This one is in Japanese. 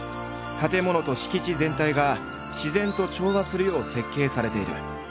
建物と敷地全体が自然と調和するよう設計されている。